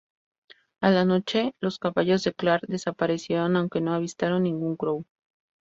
A la noche, los caballos de Clark desaparecieron, aunque no avistaron ningún Crow.